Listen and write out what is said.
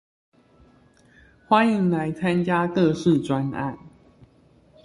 歡迎來參加各式專案